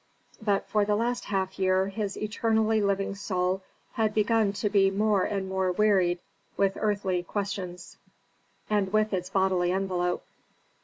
But for the last half year his eternally living soul had begun to be more and more wearied with earthly questions, and with its bodily envelope.